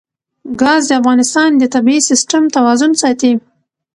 ګاز د افغانستان د طبعي سیسټم توازن ساتي.